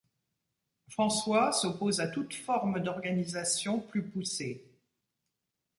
François s'oppose à toute forme d'organisation plus poussée.